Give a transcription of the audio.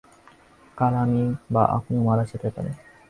কাল আমি বা আপনিও মারা যেতে পারি।